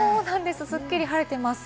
すっきり晴れています。